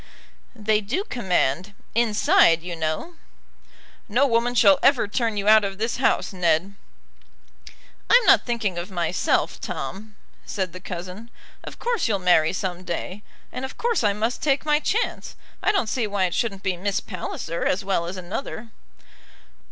"They do command, inside, you know." "No woman shall ever turn you out of this house, Ned." "I'm not thinking of myself, Tom," said the cousin. "Of course you'll marry some day, and of course I must take my chance. I don't see why it shouldn't be Miss Palliser as well as another."